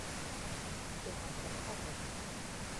Дыгъэ къухьэгъуэт…